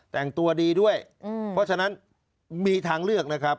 แต่งตัวดีด้วยเพราะฉะนั้นมีทางเลือกนะครับ